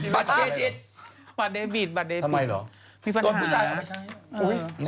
บัตรเกจิตทำไมหรอตัวผู้สายคือเป็นชาย